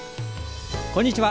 こんにちは。